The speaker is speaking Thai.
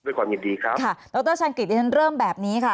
ความยินดีครับค่ะดรชันกฤษดิฉันเริ่มแบบนี้ค่ะ